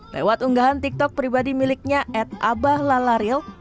lewat unggahan tiktok pribadi miliknya at abahlalareel